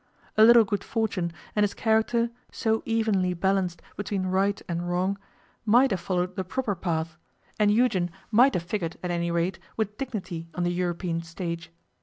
A little good fortune, and his character, so evenly balanced between right and wrong, might have followed the proper path, and Eugen might have figured at any rate with dignity on the European stage.